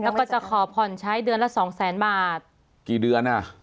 แล้วก็จะขอผ่อนใช้เดือนละสองแสนบาทกี่เดือนอ่ะ